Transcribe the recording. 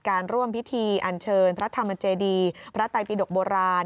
การร่วมพิธีอันเชิญพระธรรมเจดีพระไตปิดกโบราณ